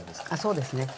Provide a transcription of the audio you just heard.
そうですね。